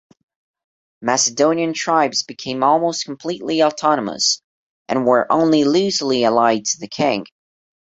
Macedonian tribes became almost completely autonomous, and were only loosely allied to the king.